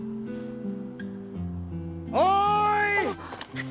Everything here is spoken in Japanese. おい！